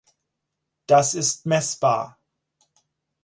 Das ist messbar.